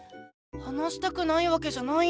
話したくないわけじゃないんだ！